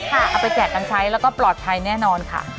เอาไปแจกกันใช้แล้วก็ปลอดภัยแน่นอนค่ะ